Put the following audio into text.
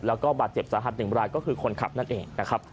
แล้วก็บาดเจ็บสาหัส๑รายก็คือคนขับนั่นเองนะครับ